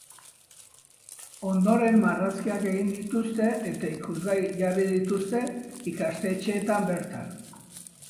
Ondoren, marrazkiak egin dituzte eta ikusgai jarri dituzte ikastetxeetan bertan.